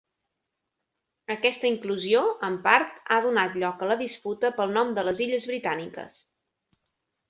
Aquesta inclusió, en part, ha donat lloc a la disputa pel nom de les illes britàniques.